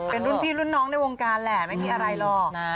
เป็นรุ่นพี่รุ่นน้องในวงการแหละไม่มีอะไรหรอก